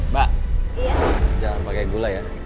mbak jangan pakai gula ya